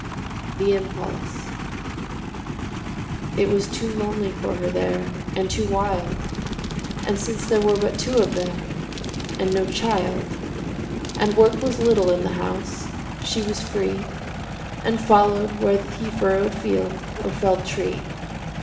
THE IMPULSE It was too lonely for her there, And too wild, And since there were but two of them, And no child, And work was little in the house, She was free, And followed where he furrowed field, Or felled tree.